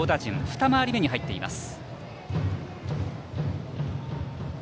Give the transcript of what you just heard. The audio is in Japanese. ふた回り目に入っています。